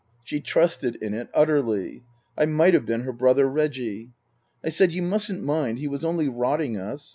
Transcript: She trusted in it utterly. I might have been her brother Reggie. I said, " You mustn't mind. He was only rotting us."